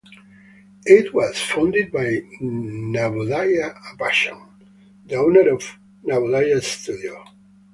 It was founded by Navodaya Appachan, the owner of Navodaya Studio.